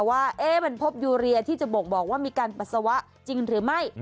ว่ามันพบยูเรียที่จะบ่งบอกว่ามีการปัสสาวะจริงหรือไม่